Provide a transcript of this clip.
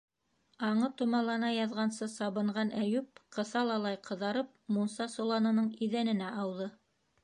Аңы томалана яҙғансы сабынған Әйүп, ҡыҫалалай ҡыҙарып, мунса соланының иҙәненә ауҙы...